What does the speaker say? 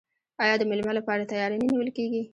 آیا د میلمه لپاره تیاری نه نیول کیږي؟